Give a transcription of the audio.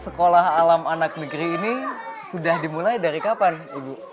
sekolah alam anak negeri ini sudah dimulai dari kapan ibu